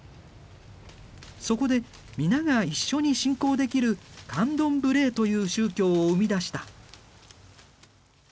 そこで皆が一緒に信仰できるカンドンブレーという宗教を生み出した。